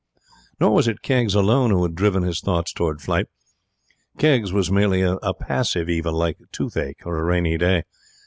Nor was it Keggs alone who had driven his thoughts towards flight. Keggs was merely a passive evil, like toothache or a rainy day.